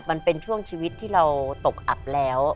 มันเป็นช่วงชีวิตที่เราตกอับแล้ว